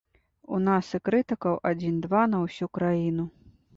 У нас і крытыкаў адзін-два на ўсю краіну.